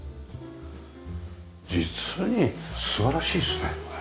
実に素晴らしいですね。